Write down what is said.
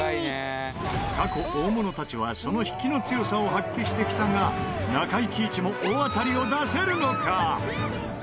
過去大物たちはその引きの強さを発揮してきたが中井貴一も大当たりを出せるのか？